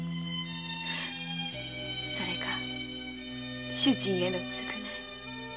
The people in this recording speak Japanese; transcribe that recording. それが主人への償い。